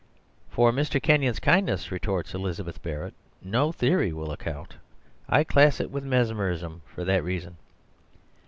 "For Mr. Kenyon's kindness," retorts Elizabeth Barrett, "no theory will account. I class it with mesmerism for that reason."